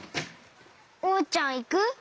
おうちゃんいく？